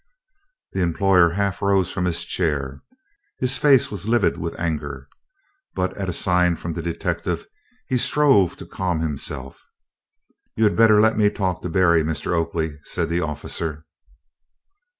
The employer half rose from his chair. His face was livid with anger. But at a sign from the detective he strove to calm himself. "You had better let me talk to Berry, Mr. Oakley," said the officer.